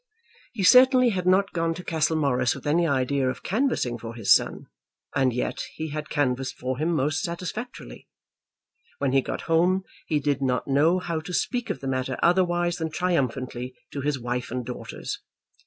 He certainly had not gone to Castlemorris with any idea of canvassing for his son, and yet he had canvassed for him most satisfactorily. When he got home he did not know how to speak of the matter otherwise than triumphantly to his wife and daughters.